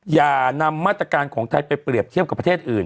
อย่านำมาตรการของไทยไปเปรียบเทียบกับประเทศอื่น